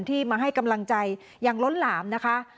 ที่มาให้กำลังใจอย่างล้นหลามนะคะ